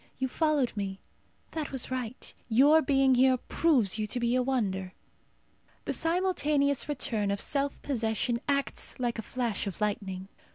You followed me. That was right. Your being here proves you to be a wonder." The simultaneous return of self possession acts like a flash of lightning.